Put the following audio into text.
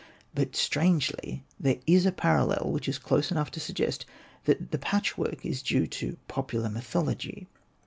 But strangely there is a parallel which is close enough to suggest that the patchwork is due to popular myth ology.